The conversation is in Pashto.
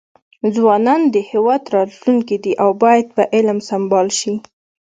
ځوانان د هیواد راتلونکي دي او باید په علم سمبال شي.